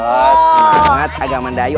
oh semangat agak mendayu